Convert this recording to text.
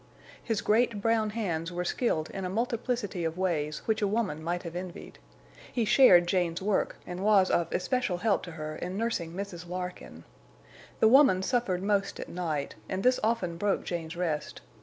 His great, brown hands were skilled in a multiplicity of ways which a woman might have envied. He shared Jane's work, and was of especial help to her in nursing Mrs. Larkin. The woman suffered most at night, and this often broke Jane's rest.